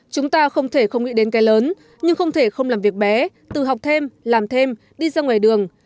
chúng ta không thể không nghĩ đến cái lớn nhưng không thể không làm việc bé từ học thêm làm thêm đi ra ngoài đường